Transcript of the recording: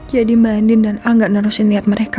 jadi mbak andin dan al gak nerusin niat mereka